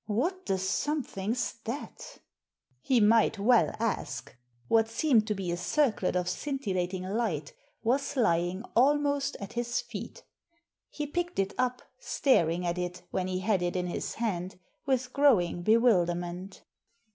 "What the something's that ?" He might well ask — what seemed to be a circlet of scintillating light was lying almost at his feet He picked it up, staring at it, when he had it in his hand, with growing bewilderment.